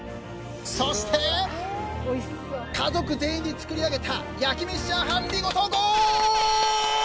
そして家族全員で作り上げた焼き飯チャーハン見事。